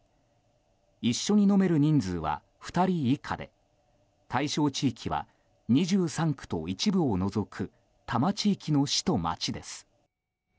一緒に飲める人数は２人以下で対象地域は２３区と一部を除く多摩地域の市と町です。